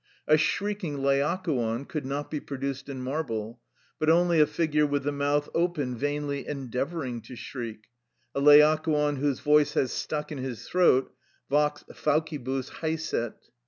A shrieking Laocoon could not be produced in marble, but only a figure with the mouth open vainly endeavouring to shriek; a Laocoon whose voice has stuck in his throat, vox faucibus haesit.